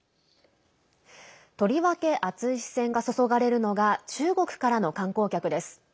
とりわけ熱い視線が注がれるのが中国からの観光客です。